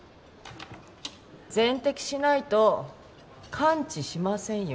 全摘しないと完治しませんよ。